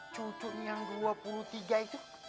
cucunya yang dua puluh tiga itu